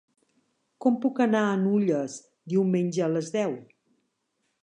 Com puc anar a Nulles diumenge a les deu?